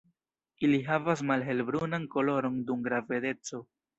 Ili havas malhelbrunan koloron dum gravedeco.